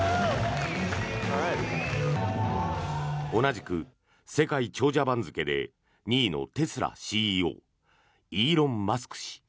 同じく世界長者番付で２位のテスラＣＥＯイーロン・マスク氏。